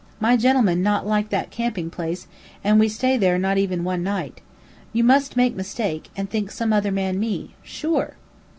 My gen'lemen not like that camping place, and we stay there not even one night. You must make mistake, and think some other man me. Sure!"